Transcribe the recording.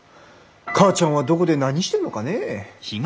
母ちゃんはどこで何してるのかねぇ？